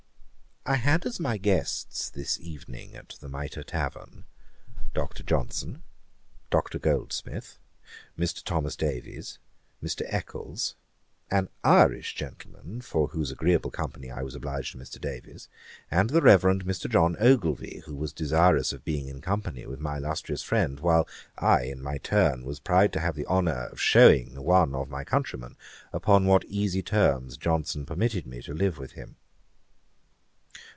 I had as my guests this evening at the Mitre tavern, Dr. Johnson, Dr. Goldsmith, Mr. Thomas Davies, Mr. Eccles, an Irish gentleman, for whose agreeable company I was obliged to Mr. Davies, and the Reverend Mr. John Ogilvie, who was desirous of being in company with my illustrious friend, while I, in my turn, was proud to have the honour of shewing one of my countrymen upon what easy terms Johnson permitted me to live with him.